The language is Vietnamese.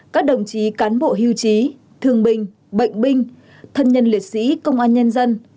các đồng chí cán bộ hưu trí thường bình bệnh binh thân nhân liệt sĩ công an nhân dân